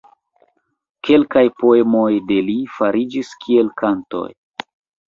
Kelkaj poemoj de li famiĝis kiel kantoj.